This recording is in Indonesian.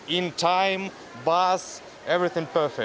di waktu bus semuanya sempurna